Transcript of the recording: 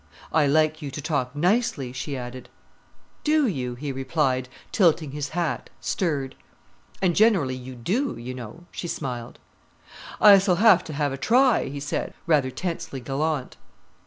"I like you to talk nicely," she added. "Do you," he replied, tilting his hat, stirred. "And generally you do, you know," she smiled. "I s'll have to have a try," he said, rather tensely gallant.